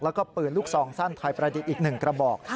แล้วก็ปืนลูกซองสั้นไทยประดิษฐ์อีก๑กระบอก